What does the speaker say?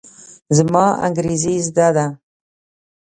زما انګرېزي زده ده.